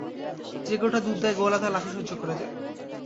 যে-গরুটা দুধ দেয়, গোয়ালা তার লাথি সহ্য করে যায়।